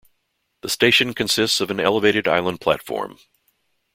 The station consists of an elevated island platform.